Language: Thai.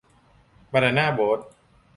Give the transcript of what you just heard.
บานาน่าโบ๊ท